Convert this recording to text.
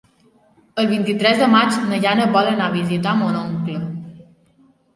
El vint-i-tres de maig na Jana vol anar a visitar mon oncle.